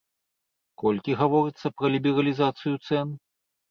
Колькі гаворыцца пра лібералізацыю цэн?